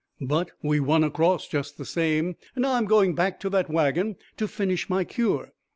"But we won across, just the same, and now I'm going back to that wagon to finish my cure.